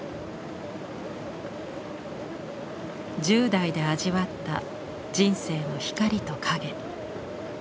１０代で味わった人生の光と影。